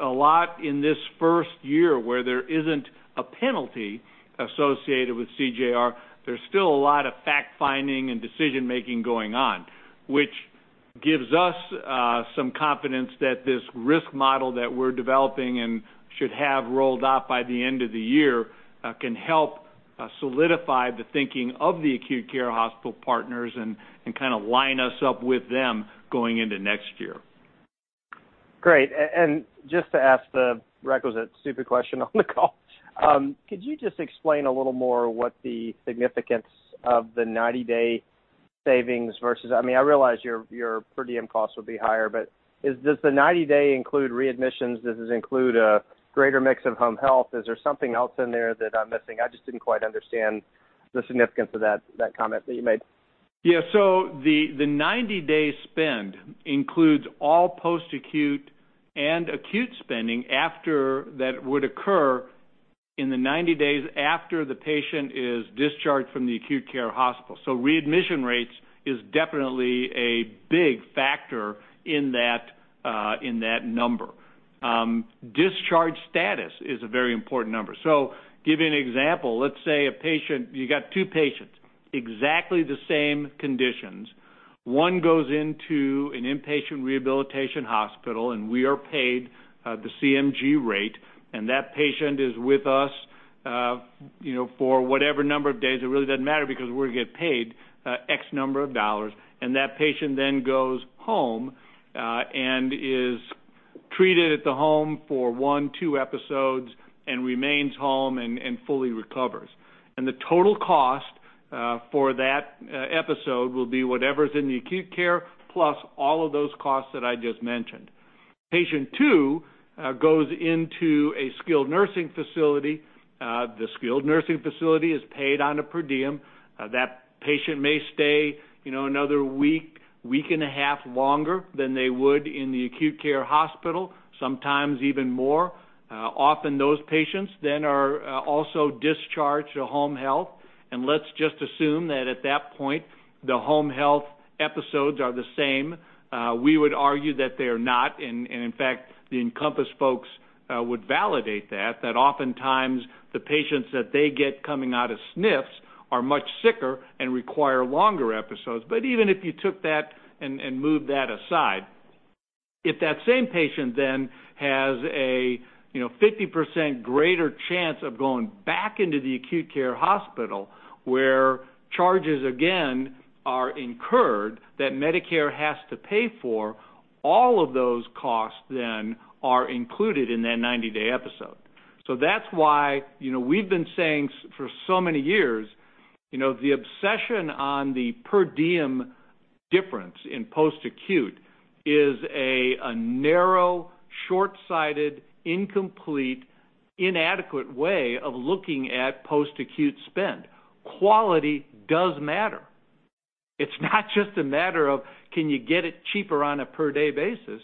a lot in this first year where there isn't a penalty associated with CJR. There's still a lot of fact-finding and decision-making going on, which gives us some confidence that this risk model that we're developing and should have rolled out by the end of the year can help solidify the thinking of the acute care hospital partners and kind of line us up with them going into next year. Great. Just to ask the requisite stupid question on the call, could you just explain a little more what the significance of the 90-day savings versus-- I realize your per diem costs will be higher, does the 90-day include readmissions? Does this include a greater mix of home health? Is there something else in there that I'm missing? I just didn't quite understand the significance of that comment that you made. The 90-day spend includes all post-acute and acute spending that would occur in the 90 days after the patient is discharged from the acute care hospital. Readmission rates is definitely a big factor in that number. Discharge status is a very important number. Give you an example, let's say you got two patients, exactly the same conditions. One goes into an inpatient rehabilitation hospital, and we are paid the CMG rate, and that patient is with us for whatever number of days, it really doesn't matter because we're going to get paid X number of dollars. That patient then goes home and is treated at the home for one, two episodes and remains home and fully recovers. The total cost for that episode will be whatever's in the acute care plus all of those costs that I just mentioned. Patient two goes into a skilled nursing facility. The skilled nursing facility is paid on a per diem. That patient may stay another week and a half longer than they would in the acute care hospital, sometimes even more. Often those patients then are also discharged to home health. Let's just assume that at that point, the home health episodes are the same. We would argue that they are not, and in fact, the Encompass folks would validate that oftentimes the patients that they get coming out of SNFs are much sicker and require longer episodes. Even if you took that and moved that aside, if that same patient then has a 50% greater chance of going back into the acute care hospital, where charges again are incurred that Medicare has to pay for, all of those costs then are included in that 90-day episode. That's why we've been saying for so many years, the obsession on the per diem difference in post-acute is a narrow, shortsighted, incomplete, inadequate way of looking at post-acute spend. Quality does matter. It's not just a matter of can you get it cheaper on a per day basis.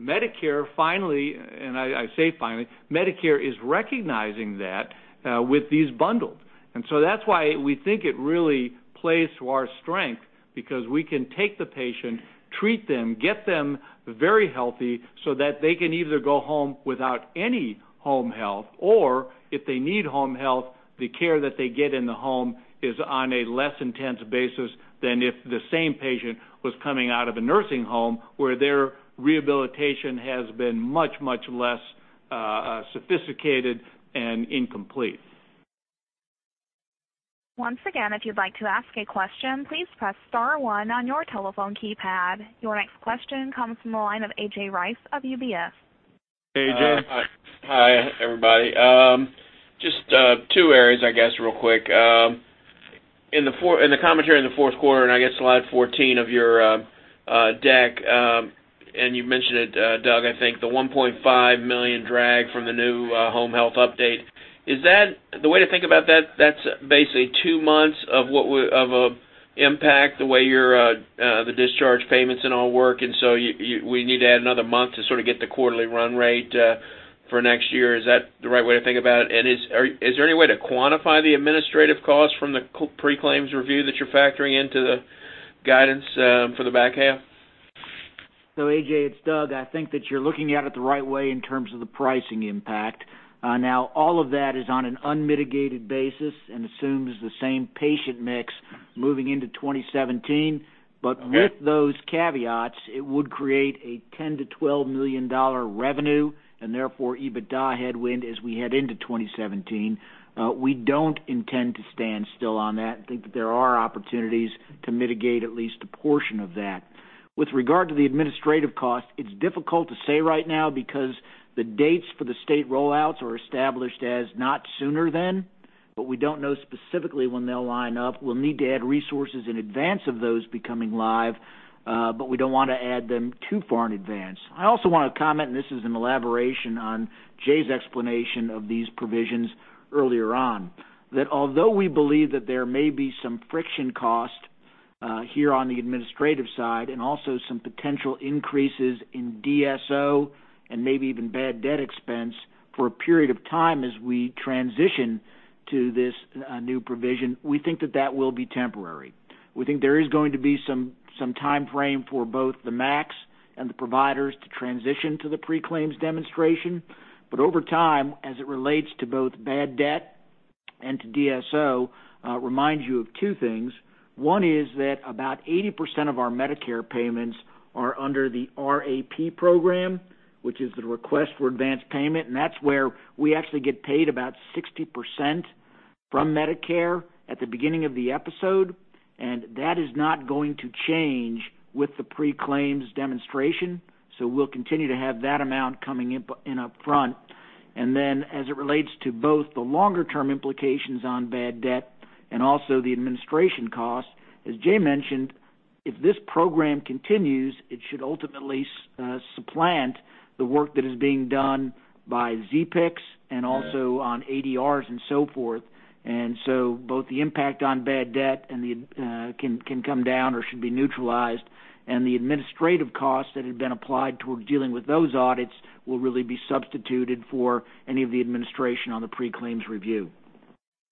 Medicare finally, and I say finally, Medicare is recognizing that with these bundles. That's why we think it really plays to our strength, because we can take the patient, treat them, get them very healthy so that they can either go home without any home health or if they need home health, the care that they get in the home is on a less intense basis than if the same patient was coming out of a nursing home where their rehabilitation has been much, much less sophisticated and incomplete. Once again, if you'd like to ask a question, please press star one on your telephone keypad. Your next question comes from the line of A.J. Rice of UBS. A.J. Hi, everybody. Just two areas, I guess, real quick. In the commentary in the fourth quarter, and I guess slide 14 of your deck, and you mentioned it, Doug, I think the $1.5 million drag from the new home health update. Is that the way to think about that's basically two months of impact the way the discharge payments and all work, we need to add another month to sort of get the quarterly run rate for next year. Is that the right way to think about it? Is there any way to quantify the administrative cost from the Pre-Claim Review that you're factoring into the guidance for the back half? A.J., it's Doug. I think that you're looking at it the right way in terms of the pricing impact. Now, all of that is on an unmitigated basis and assumes the same patient mix moving into 2017. Okay. With those caveats, it would create a $10 million-$12 million revenue, and therefore, EBITDA headwind as we head into 2017. We don't intend to stand still on that. I think that there are opportunities to mitigate at least a portion of that. With regard to the administrative cost, it's difficult to say right now because the dates for the state rollouts are established as not sooner than, but we don't know specifically when they'll line up. We'll need to add resources in advance of those becoming live, but we don't want to add them too far in advance. I also want to comment, and this is an elaboration on Jay's explanation of these provisions earlier on, that although we believe that there may be some friction cost here on the administrative side and also some potential increases in DSO and maybe even bad debt expense for a period of time as we transition to this new provision, we think that that will be temporary. We think there is going to be some timeframe for both the MAC and the providers to transition to the pre-claims demonstration. Over time, as it relates to both bad debt and to DSO, I'll remind you of two things. One is that about 80% of our Medicare payments are under the RAP program, which is the Request for Advance Payment, and that's where we actually get paid about 60% from Medicare at the beginning of the episode, and that is not going to change with the pre-claims demonstration. We'll continue to have that amount coming in upfront. As it relates to both the longer term implications on bad debt and also the administration costs, as Jay mentioned, if this program continues, it should ultimately supplant the work that is being done by ZPICs and also on ADRs and so forth. Both the impact on bad debt can come down or should be neutralized, and the administrative costs that had been applied toward dealing with those audits will really be substituted for any of the administration on the pre-claims review.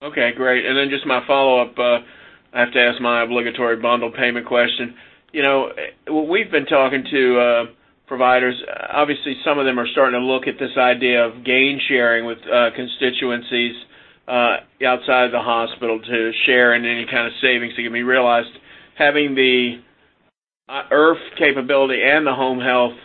Just my follow-up, I have to ask my obligatory bundled payment question. We've been talking to providers. Obviously, some of them are starting to look at this idea of gain sharing with constituencies outside the hospital to share in any kind of savings that can be realized. Having the IRF capability and the home health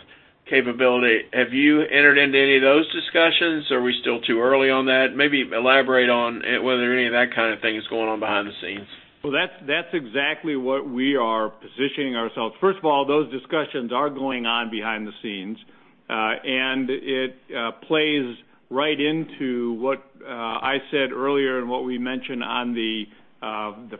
capability, have you entered into any of those discussions? Are we still too early on that? Maybe elaborate on whether any of that kind of thing is going on behind the scenes. That's exactly what we are positioning ourselves. First of all, those discussions are going on behind the scenes. It plays right into what I said earlier and what we mentioned on the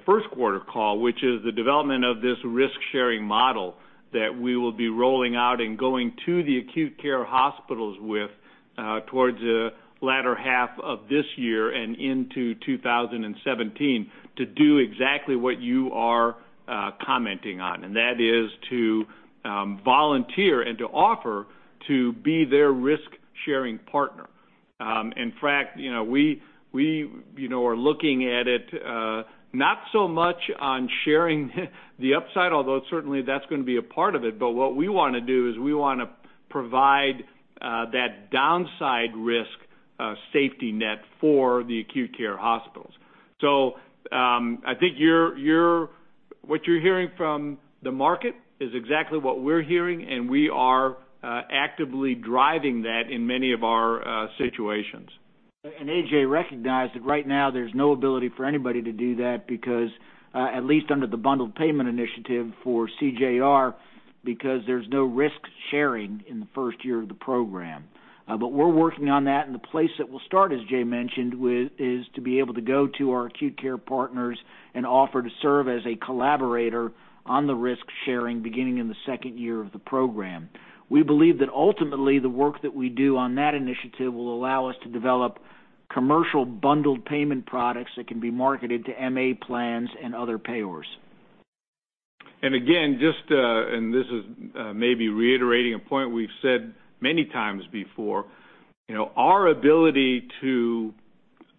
first quarter call, which is the development of this risk-sharing model that we will be rolling out and going to the acute care hospitals with towards the latter half of this year and into 2017 to do exactly what you are commenting on. That is to volunteer and to offer to be their risk-sharing partner. In fact, we're looking at it not so much on sharing the upside, although certainly that's going to be a part of it, but what we want to do is we want to provide that downside risk safety net for the acute care hospitals. I think what you're hearing from the market is exactly what we're hearing, and we are actively driving that in many of our situations. A.J., recognize that right now there's no ability for anybody to do that because at least under the bundled payment initiative for CJR, because there's no risk sharing in the first year of the program. We're working on that, and the place that we'll start, as Jay mentioned, is to be able to go to our acute care partners and offer to serve as a collaborator on the risk sharing beginning in the second year of the program. We believe that ultimately the work that we do on that initiative will allow us to develop Commercial bundled payment products that can be marketed to MA plans and other payers. Again, this is maybe reiterating a point we've said many times before, our ability to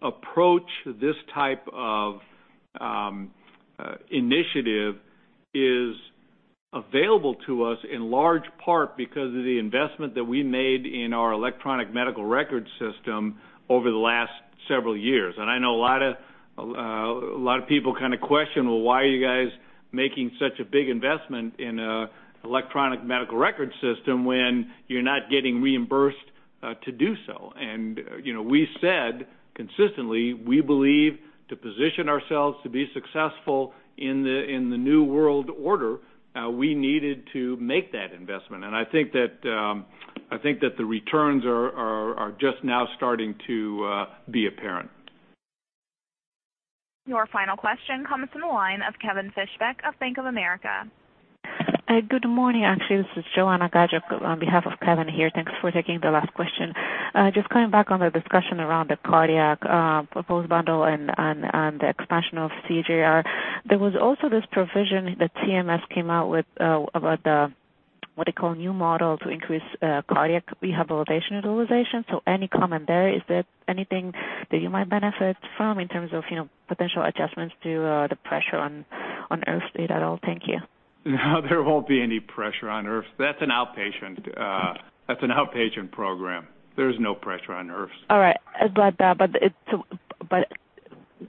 approach this type of initiative is available to us in large part because of the investment that we made in our electronic medical records system over the last several years. I know a lot of people kind of question, "Well, why are you guys making such a big investment in electronic medical records system when you're not getting reimbursed to do so?" We said consistently, we believe to position ourselves to be successful in the new world order, we needed to make that investment. I think that the returns are just now starting to be apparent. Your final question comes from the line of Kevin Fischbeck of Bank of America. Good morning. Actually, this is Joanna Gajuk on behalf of Kevin here. Thanks for taking the last question. Just coming back on the discussion around the cardiac proposed bundle and the expansion of CJR. There was also this provision that CMS came out with about the, what they call new model to increase cardiac rehabilitation utilization. Any comment there, is there anything that you might benefit from in terms of potential adjustments to the pressure on IRF stay at all? Thank you. There won't be any pressure on IRF. That's an outpatient program. There's no pressure on IRFs. All right.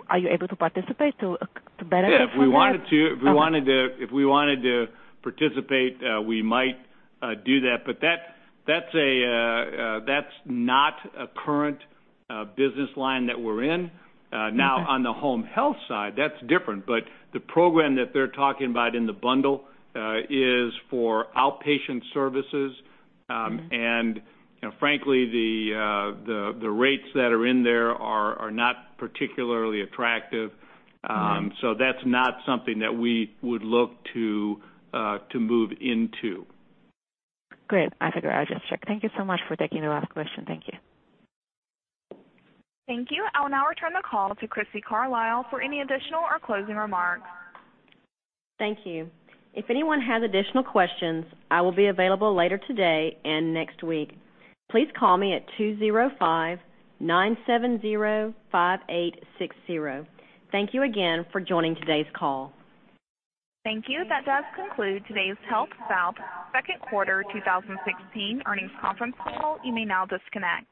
Are you able to participate to benefit from that? Yeah, if we wanted to participate, we might do that. That's not a current business line that we're in. On the home health side, that's different. The program that they're talking about in the bundle is for outpatient services. Frankly, the rates that are in there are not particularly attractive. Right. That's not something that we would look to move into. Great. I figured I'd just check. Thank you so much for taking the last question. Thank you. Thank you. I will now return the call to Crissy Carlisle for any additional or closing remarks. Thank you. If anyone has additional questions, I will be available later today and next week. Please call me at 205-970-5860. Thank you again for joining today's call. Thank you. That does conclude today's HealthSouth second quarter 2016 earnings conference call. You may now disconnect.